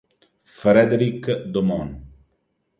Frédéric Domon